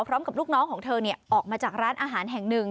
ลูกน้องของเธอออกมาจากร้านอาหารแห่งหนึ่ง